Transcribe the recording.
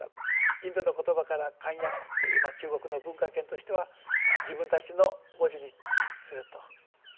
インドの言葉から漢訳という中国の文化圏としては自分たちの文字にすると。